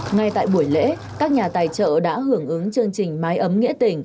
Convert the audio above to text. ngay tại buổi lễ các nhà tài trợ đã hưởng ứng chương trình mái ấm nghĩa tình